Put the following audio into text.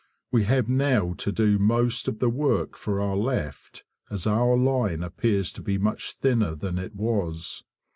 We have now to do most of the work for our left, as our line appears to be much thinner than it was.